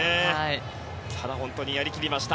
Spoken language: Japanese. ただ本当にやり切りました。